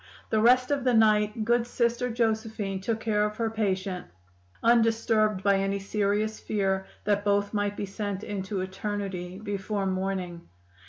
The rest of the night good Sister Josephine took care of her patient, undisturbed by any serious fear that both might be sent into eternity before morning.